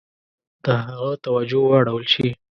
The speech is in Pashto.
د هغه توجه واړول شي.